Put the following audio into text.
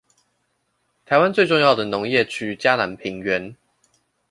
台灣最重要的農業區嘉南平原